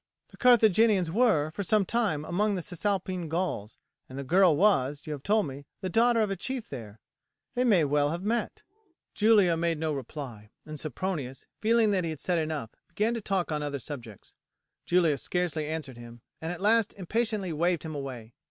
The Carthaginians were for some time among the Cisalpine Gauls, and the girl was, you have told me, the daughter of a chief there; they may well have met." Julia made no reply, and Sempronius, feeling that he had said enough, began to talk on other subjects. Julia scarcely answered him, and at last impatiently waved him away.